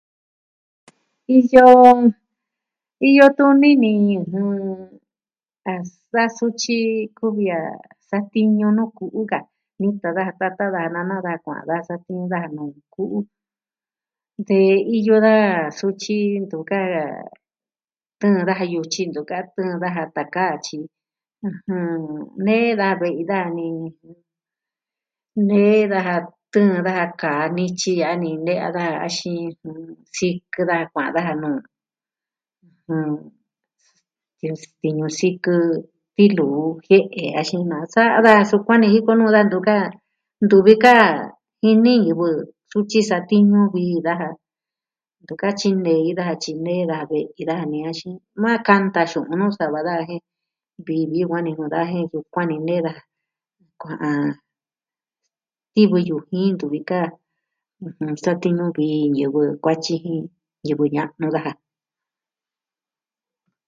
Iyo... Iyo tuni ni ñɨjɨn... a sa sutyi kuvi a satiñu nuu ku'u ka nuu tata daja nana daja kua'a da satiñu daja nuu ku'u de iyo da sutyi ntu ka... tɨɨn daja yutyi ntu ka tɨɨn daja taka tyi ɨjɨn... nee da ve'i da nee... nee daja tɨɨn daja kaa nityi a ni ne'ya da axin ɨjɨn... sikɨ daja kuaan daja nuu... este... sikɨ tiluu jie'e axin na sa'a da sukuan ni jin kumi da ntu ka... ntuvi ka jini ñɨvɨ sutyi satiñu vii daja a ntu ka tyinei daja tyi nee daja ve'i daja axin ma kanta xu'un sava da jen vii vii kuaan ni kuu da jen ni yukuan ni nee daja kua'an tivɨ yu'jin ntuvi ka ɨjɨn... satiñu vii ñivɨ kuatyi jin ñivɨ ña'nu daja.